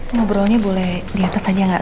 ngobrolnya boleh diatas aja gak